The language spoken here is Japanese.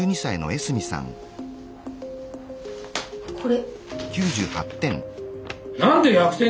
これ。